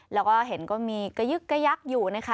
แล้วก็เห็นก็มีกระยึกกระยักอยู่นะคะ